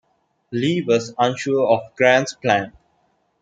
Lee was unsure of Grant's plan.